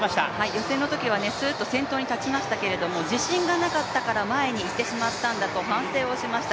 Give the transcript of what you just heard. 予選のときはすーっと先頭に立ちましたけれども、前に行ってしまったんだと反省をしました。